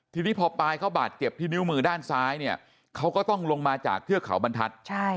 ทีนี้พอปายเขาบาดเจ็บที่นิ้วมือด้านซ้ายเนี่ยเขาก็ต้องลงมาจากเทือกเขาบรรทัศน์